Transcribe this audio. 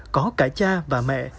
có cả cha và mẹ